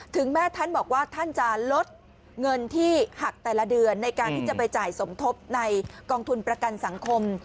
ถึงแม้ท่านบอกว่าท่านจะลดเงินที่หักแต่ละเดือนในการที่จะไปจ่ายสมทบในกองทุนประกันสังคม